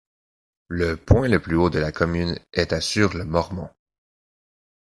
Le point le plus haut de la commune est à sur le Mormont.